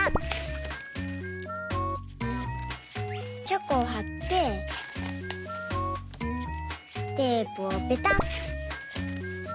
チョコをはってテープをペタッ。